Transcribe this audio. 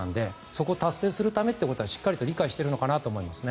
そこを達成するためということは理解しているのかなと思います。